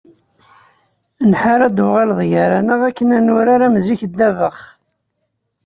Nḥar ad d-tuɣaleḍ gar-aneɣ akken ad nurar am zik ddabex.